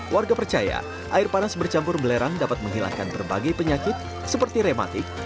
warga percaya air panas bercampur belerang dapat menghilangkan berbagai penyakit seperti reumatik